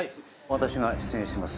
私が出演します